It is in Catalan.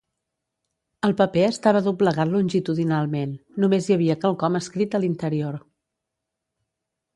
El paper estava doblegat longitudinalment, només hi havia quelcom escrit a l'interior.